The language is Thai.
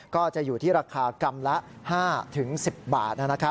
ก็จะอยู่ที่ราคากรัมละ๕๑๐บาท